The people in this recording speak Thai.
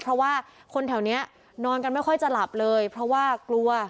เพราะว่าคนแถวนี้นอนกันไม่ค่อยจะหลับเลยเพราะว่ากลัว